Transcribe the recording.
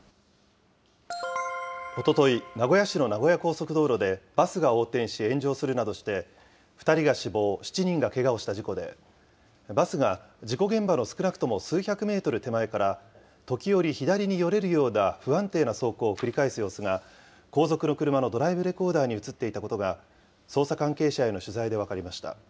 おととい、名古屋市の名古屋高速道路でバスが横転し炎上するなどして、２人が死亡、７人がけがをした事故で、バスが事故現場の少なくとも数百メートル手前から時折左によれるような不安定な走行を繰り返す様子が、後続の車のドライブレコーダーに写っていたことが、捜査関係者への取材で分かりました。